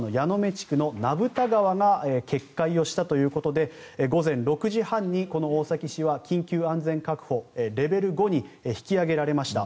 地区の名蓋川が決壊をしたということで午前６時半に大崎市は緊急安全確保レベル５に引き上げられました